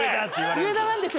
上田なんですよ